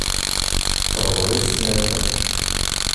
Teɣder-it tnafa.